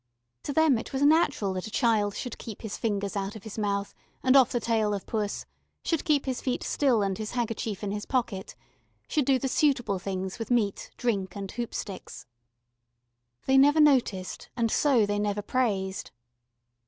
To them it was natural that a child should keep his fingers out of his mouth, and off the tail of Puss, should keep his feet still and his handkerchief in his pocket, should do the suitable things with meat, drink, and hoop sticks. They never noticed, and so they never praised.